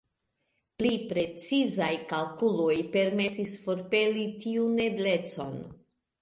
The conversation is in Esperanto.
Pli precizaj kalkuloj permesis forpeli tiun eblecon.